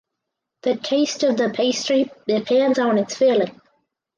The taste of the pastry depends on its filling.